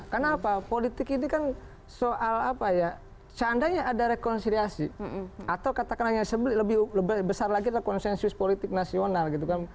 karena apa politik ini kan soal apa ya seandainya ada rekonsiliasi atau katakanlah yang lebih besar lagi adalah konsensus politik nasional gitu kan